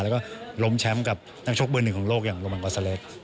แล้วก็ล้มแชมป์กับนักชกเบอร์หนึ่งของโลกอย่างโรมังกอซาเลค